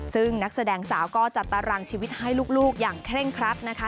ซึ่งนักแสดงสาวก็จัดตารางชีวิตให้ลูกอย่างเคร่งครัดนะคะ